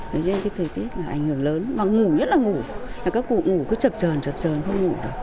thế nên cái thời tiết là ảnh hưởng lớn mà ngủ nhất là ngủ là các cụ ngủ cứ chập trờn chập trờn không ngủ được